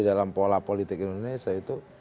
dalam pola politik indonesia itu